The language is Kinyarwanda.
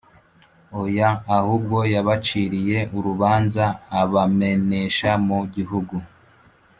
Oya! Ahubwo yabaciriye urubanza, abamenesha mu gihugu,